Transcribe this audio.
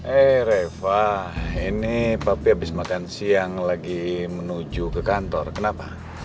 eh reva ini papa habis makan siang lagi menuju ke kantor kenapa